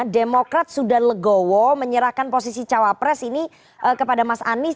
demokrat sudah legowo menyerahkan posisi cawapres ini kepada mas anies